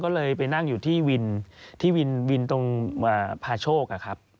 ก็เลยไปนั่งอยู่ที่วินตรงพาโชคครับ